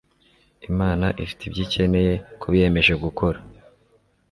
Imana ifite ibyo ikeneye ku biyemeje gukora